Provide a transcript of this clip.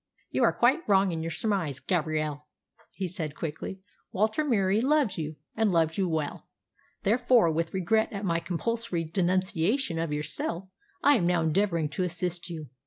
"You are quite wrong in your surmise, Gabrielle," he said quickly. "Walter Murie loves you, and loves you well. Therefore, with regret at my compulsory denunciation of yourself, I am now endeavouring to assist you."